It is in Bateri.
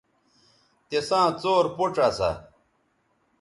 تِساں څور پوڇ اسا